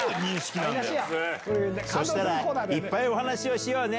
そしたら、いっぱいお話をしようね。